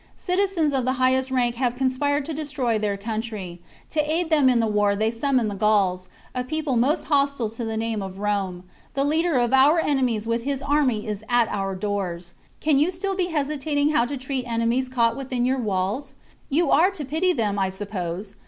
Citizens of the highest rank have conspired to destroy their coun try ; to aid them in the war they summon the Gauls, a people most hostile to the name of Rome; the leader of our enemies with his army is at our doors. Can you still be hesitating how to treat enemies caught within your walls } You are to pity them, I suppose.